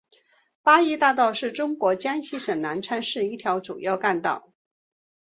八一大道是中国江西省南昌市的一条主要干道。